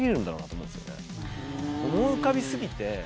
思い浮かび過ぎて。